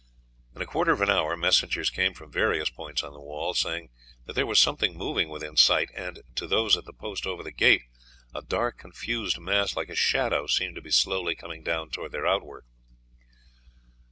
In a quarter of an hour messengers came from various points on the wall saying that there was something moving within sight, and to those at the post over the gate a dark confused mass like a shadow seemed to be slowly coming down towards their outwork.